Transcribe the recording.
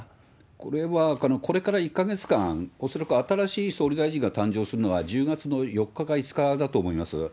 これは、これから１か月間、恐らく新しい総理大臣が誕生するのは１０月の４日か５日だと思います。